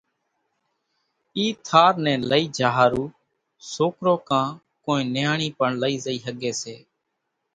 اِي ٿار نين لئِي جھا ۿارُو سوڪرو ڪان ڪونئين نياڻي پڻ لئي زئي ۿڳي سي